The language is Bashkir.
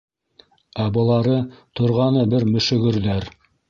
Ә былары торғаны бер мөшөгөрҙәр.